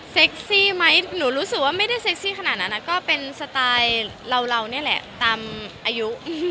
ซี่ไหมหนูรู้สึกว่าไม่ได้เซ็กซี่ขนาดนั้นก็เป็นสไตล์เรานี่แหละตามอายุ